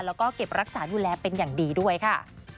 แล้วก็เก็บรักษาดูแลเป็นอย่างดีด้วยค่ะ